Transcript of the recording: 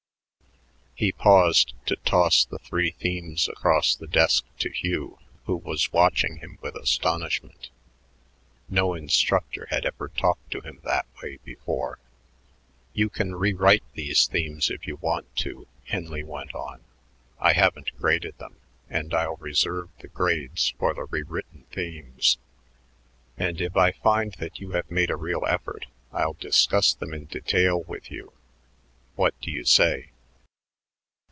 He paused to toss the three themes across the desk to Hugh, who was watching him with astonishment. No instructor had ever talked to him that way before. "You can rewrite these themes if you want to," Henley went on. "I haven't graded them, and I'll reserve the grades for the rewritten themes; and if I find that you have made a real effort, I'll discuss them in detail with you. What do you say?"